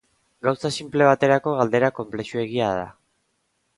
Gauza sinple baterako galdera konplexuegia da.